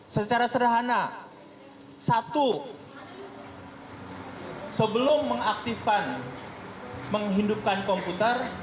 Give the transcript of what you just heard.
secara sederhana satu sebelum mengaktifkan menghidupkan komputer